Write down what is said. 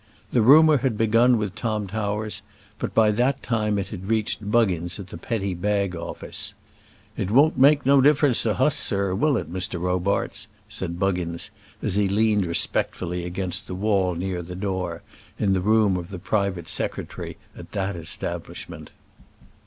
The rumour had begun with Tom Towers, but by that time it had reached Buggins at the Petty Bag Office. "It won't make no difference to hus, sir; will it, Mr. Robarts?" said Buggins, as he leaned respectfully against the wall near the door, in the room of the private secretary at that establishment.